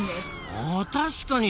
あ確かに。